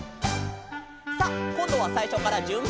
「」さあこんどはさいしょからじゅんばん！